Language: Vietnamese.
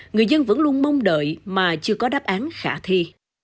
người dân vẫn luôn mong đợi mà chưa có đáp án khả thi